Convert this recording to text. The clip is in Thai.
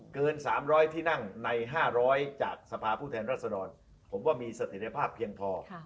เกิน๓๐๐ที่นั่งใน๕๐๐จากสภาพผู้แทนรัศดรผมว่ามีเสถียรภาพเพียงพอ